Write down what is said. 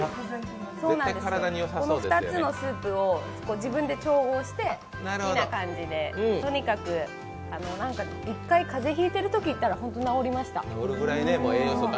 この２つのスープを自分で調合して好きな感じでとにかく１回、風邪ひいてるときにいったら治りました。